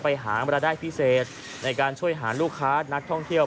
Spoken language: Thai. ไปหามารายได้พิเศษในการช่วยหาลูกค้านักท่องเที่ยว